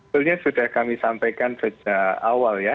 sebenarnya sudah kami sampaikan sejak awal ya